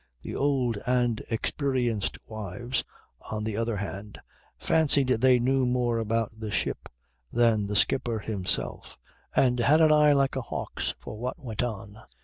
The old and experienced wives on the other hand fancied they knew more about the ship than the skipper himself and had an eye like a hawk's for what went on.